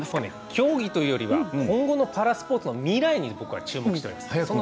競技というよりも今後のパラスポーツの未来に注目しております。